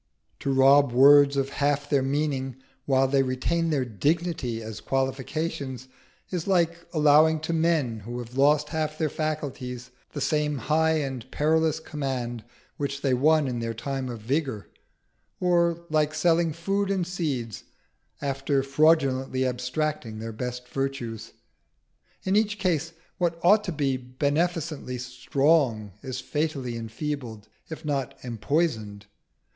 To rob words of half their meaning, while they retain their dignity as qualifications, is like allowing to men who have lost half their faculties the same high and perilous command which they won in their time of vigour; or like selling food and seeds after fraudulently abstracting their best virtues: in each case what ought to be beneficently strong is fatally enfeebled, if not empoisoned.